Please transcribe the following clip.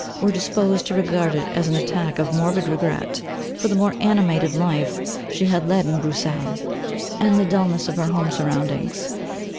were disposed to regard it as an attack of morbid regret for the more animated life she had led in Bruxelles, and the dulness of her home surroundings.